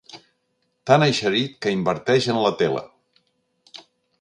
Tan eixerit que inverteix en la tele.